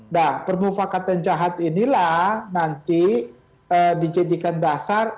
nah permufakatan jahat inilah nanti dijadikan dasar